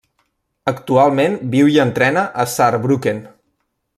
Actualment viu i entrena a Saarbrücken.